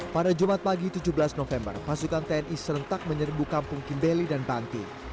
pada jumat pagi tujuh belas november pasukan tni serentak menyerbu kampung kimbeli dan bangki